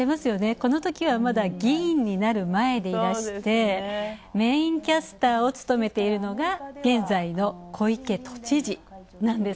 このときはまだ議員になる前でいらして、メインキャスターを務めて現在の小池都知事なんです。